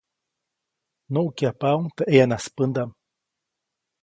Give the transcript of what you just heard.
Nuʼkyajpaʼuŋ teʼ ʼeyanaspändaʼm.